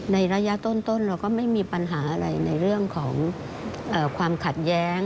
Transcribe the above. ระยะต้นเราก็ไม่มีปัญหาอะไรในเรื่องของความขัดแย้ง